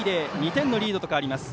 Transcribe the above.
２点のリードと変わります。